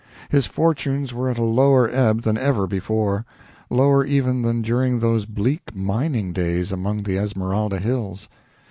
His fortunes were at a lower ebb than ever before; lower even than during those bleak mining days among the Esmeralda hills.